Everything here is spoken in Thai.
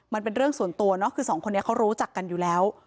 มันเป็นเรื่องส่วนตัวเนาะคือสองคนนี้เขารู้จักกันอยู่แล้ว